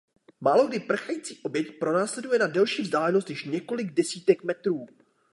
Málokdy prchající oběť pronásleduje na delší vzdálenost než několik desítek metrů.